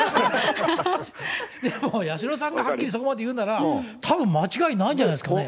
でも八代さんがはっきりそこまで言うなら、たぶん間違いないんじゃないですかね。